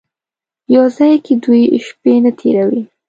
یو ځای کې دوې شپې نه تېروي.